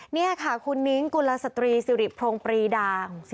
นี่ค่ะคุณนิ้งกุลสตรีสิริพรงปรีดา